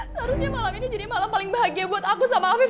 seharusnya malam ini jadi malam paling bahagia buat aku sama afif